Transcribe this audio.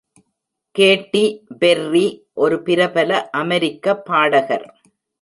கேட்டி Perry ஒரு பிரபல அமெரிக்க பாடகர்.